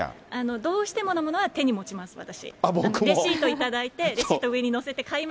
どうしてものものは手に持ちます、私。